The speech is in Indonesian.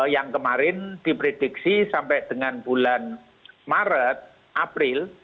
yang kemarin diprediksi sampai dengan bulan maret april